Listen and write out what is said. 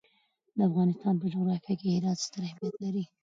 د افغانستان په جغرافیه کې هرات ستر اهمیت لري.